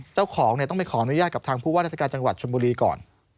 เจ้าของต้องไปขออนุญาตกับทางผู้ว่าราชการจังหวัดชนบุรีก่อน